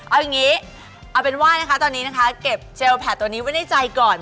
เอาอย่างนี้เอาเป็นว่าเนอะก็ล่างไว้นะคะเอาเจลแผลตัวนี้ไว้ในใจก่อน